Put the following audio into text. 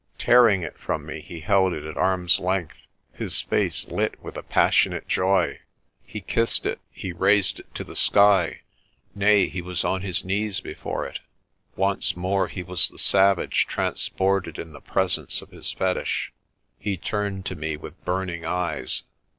Tearing it from me, he held it at arm's length, his face lit with a passionate joy. He kissed it, he raised it to the sky j nay, he was on his knees before it. Once more he was the savage transported in the presence of his fetich. He turned to me with burning eyes.